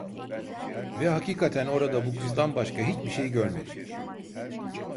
Ve hakikaten orada bu kızdan başka hiçbir şey görmedim.